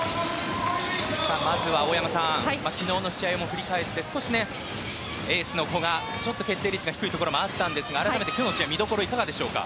まず、大山さん昨日の試合を振り返って少しエースの古賀はちょっと決定率が低いところもあったんですが改めて今日の試合見どころはいかがですか。